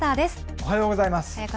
おはようございます。